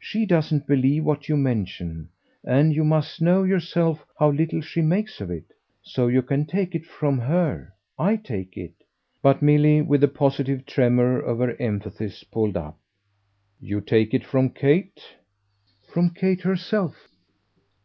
She doesn't believe what you mention, and you must know yourself how little she makes of it. So you can take it from her. I take it " But Milly, with the positive tremor of her emphasis, pulled up. "You take it from Kate?" "From Kate herself."